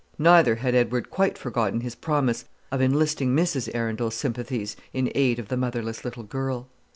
Neither had Edward quite forgotten his promise of enlisting Mrs. Arundel's sympathies in aid of the motherless little girl.